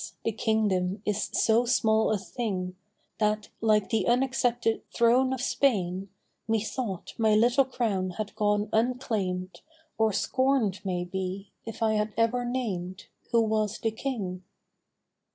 the kingdom is so small a thing That, like the unaccepted throne of Spain,* Methought my little crown had gone unclaimed, Or scorned maybe, if I had ever named Who was the King.